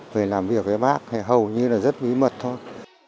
về làm việc với bác thì hầu như là rất bí mật thôi